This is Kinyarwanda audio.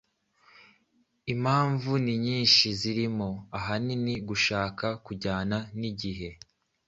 Impamvu ni nyinshi, zirimo ahanini gushaka kujyana n’igihe,